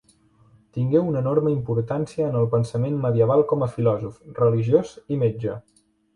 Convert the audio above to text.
Tingué una enorme importància en el pensament medieval com a filòsof, religiós i metge.